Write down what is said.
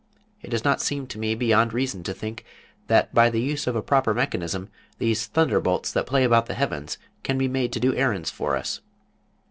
It does not seem to me beyond reason to think that by the use of a proper mechanism these thunderbolts that play about the heavens can be made to do errands for us.